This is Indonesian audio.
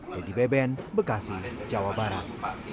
dedy beben bekasi jawa barat